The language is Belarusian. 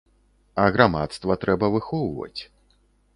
А грамадства трэба выхоўваць.